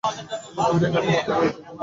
তখন, আমি রিকাকে মরতে দিতে চাইনি।